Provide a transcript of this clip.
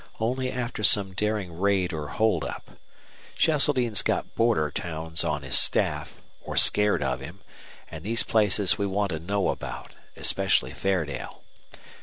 Only after some daring raid or hold up. Cheseldine's got border towns on his staff, or scared of him, and these places we want to know about, especially Fairdale.